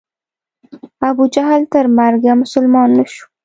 ابوجهل تر مرګه مسلمان نه شو.